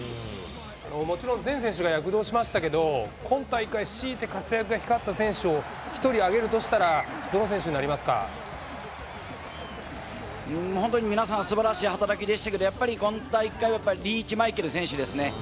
もちろん全選手が躍動しましたけど、今大会、強いて活躍が光った選手を１人挙げるとしたら、どの選手になりまうーん、本当に皆さん、すばらしい働きでしたけど、やっぱり今大会はやっぱり、リーチマイケル選手ですね。